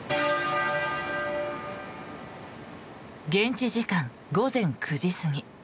現地時間午前９時過ぎ。